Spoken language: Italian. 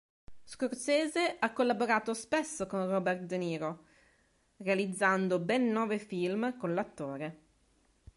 Scorsese ha collaborato spesso con Robert De Niro, realizzando ben nove film con l'attore.